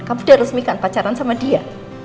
kamu sudah resmikan pacaran sama dia